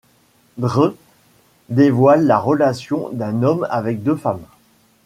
Dre, dévoile la relation d'un homme avec deux femmes.